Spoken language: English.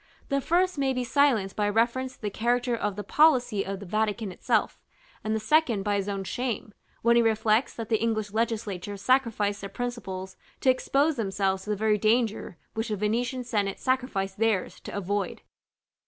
The first may be silenced by a reference to the character of the policy of the Vatican itself; and the second by his own shame, when he reflects that the English legislature sacrificed their principles to expose themselves to the very danger which the Venetian senate sacrificed theirs to avoid.